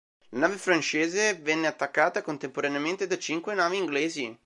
La nave francese venne attaccata contemporaneamente da cinque navi inglesi.